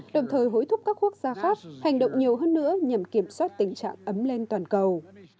đồng thời hối thúc các quốc gia khác hành động nhiều hơn nữa nhằm kiểm soát tình trạng ấm lên toàn cầu